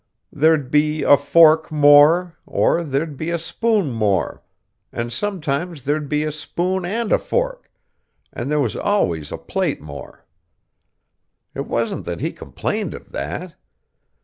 There'd be a fork more, or there'd be a spoon more, and sometimes there'd be a spoon and a fork, and there was always a plate more. It wasn't that he complained of that.